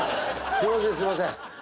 すいませんすいません。